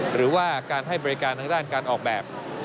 หรือว่าการให้บริการทางด้านการออกแบบ